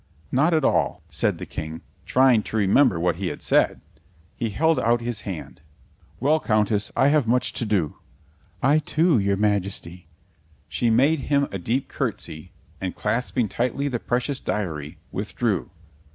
"Not at all," said the King, trying to remember what he had said. He held out his hand. "Well, Countess, I have much to do." "I, too, your Majesty." She made him a deep curtsey and, clasping tightly the precious diary, withdrew.